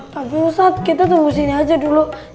tapi ustadz kita tunggu sini aja dulu